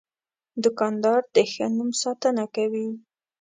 دوکاندار د ښه نوم ساتنه کوي.